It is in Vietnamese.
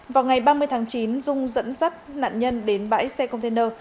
vào ngày ba mươi tháng chín dung dẫn dắt nạn nhân đến bãi xe container